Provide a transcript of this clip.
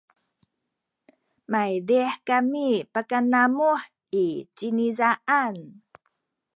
maydih kami pakanamuh i cinizaan